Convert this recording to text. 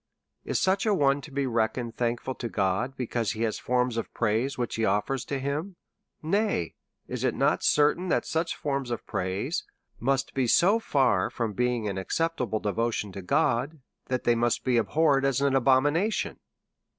Is such a one to be reckoned thankful to God, because he has forms of praise which he offers to him ? Nay, is it not certain that such forms of praise must be so far 108 A SERIOUS CALL TO A from being an acceptable devotion to God^ that they must be abhorred as an abomination